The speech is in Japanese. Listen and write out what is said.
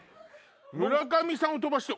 村上さんを飛ばして。